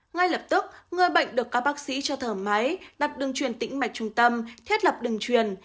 ngay lập tức người bệnh được các bác sĩ cho thở máy đặt đường truyền tĩnh mạch trung tâm thiết lập đường truyền